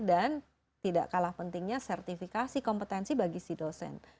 dan tidak kalah pentingnya sertifikasi kompetensi bagi si dosen